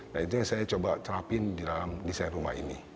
nah itu yang saya coba terapin di dalam desain rumah ini